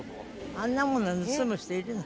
あんなもの盗む人いるの？